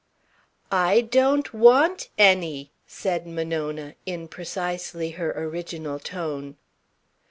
"I don't want any," said Monona, in precisely her original tone.